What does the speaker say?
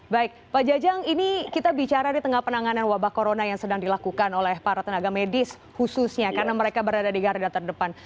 baik pak jajang ini kita bicara di tengah penanganan wabah corona yang sedang dilakukan oleh para tenaga medis khususnya karena mereka berada di garda terdepan